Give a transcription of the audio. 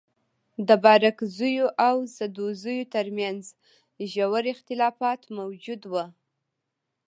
د بارکزيو او سدوزيو تر منځ ژور اختلافات موجود وه.